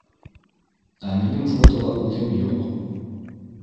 Ә минең фотола үҙем юҡ.